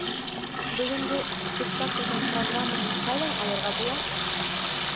Бөгөнгө спектаклдең программаһын ҡайҙан алырға була?